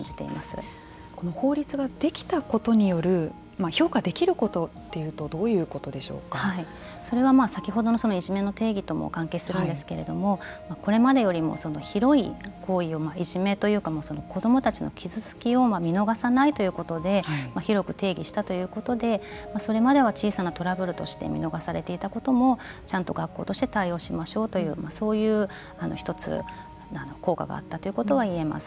この法律ができたことによる評価できることというとそれは先ほどのいじめの定義とも関係するんですけれどもこれまでよりも広い行為をいじめというか子どもたちの傷つきを見逃さないということで広く定義したということでそれまでは小さなトラブルとして見逃されていたこともちゃんと学校として対応しましょうというそういう１つ効果があったということは言えます。